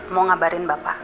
mau ngabarin bapak